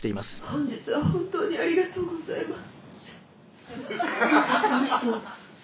「本日は本当にありがとうございまぁす」「」